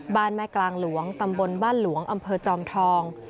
บ้านแม่กลางหลวงตำบลบ้านหลวงอำเภอจอมทอง